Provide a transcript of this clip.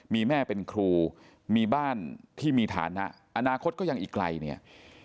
มีแม่เป็นครูมีบ้านที่มีฐานะอนาคตก็ยังอีกไกลเนี่ย